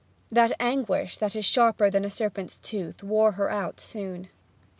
That anguish that is sharper than a serpent's tooth wore her out soon.